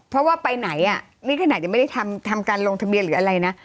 เพราะว่าไปไหนนี่ขนาดจะไม่ได้ทำการลงทะเบียนหรืออะไรนะ